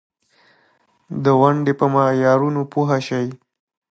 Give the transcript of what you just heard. په پښتو ژبه د عصري ژبپوهنې کار محدود دی.